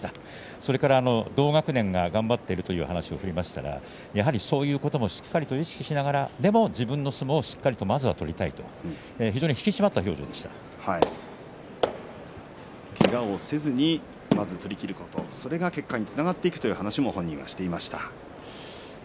それから同学年が頑張っているという話を振りましたらやはりそういうこともしっかりと意識しながらでも自分の相撲をしっかりとまずは取りたいとけがをせずにまず取りきること、それが結果につながっていくという話を本人がしていました。